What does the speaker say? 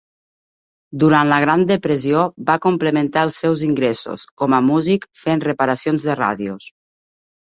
Durant la Gran Depressió va complementar els seus ingressos com a músic fent reparacions de ràdios.